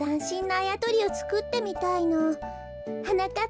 あやとりをつくってみたいの。はなかっ